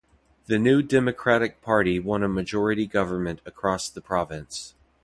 The New Democratic Party won a majority government across the province.